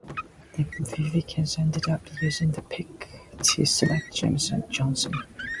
The Vikings ended up using that pick to select Jaymar Johnson.